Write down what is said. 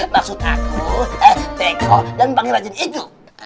maksud aku tegok dan bange bajin itu